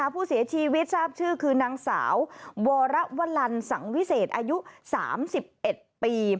ผู้เสียชีวิตทราบชื่อคือนางสาววรวลันสังวิเศษอายุ๓๑ปี